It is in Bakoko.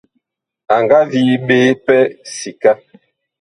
A nga vii ɓe pɛ sika.